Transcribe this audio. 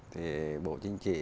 thì bộ chính trị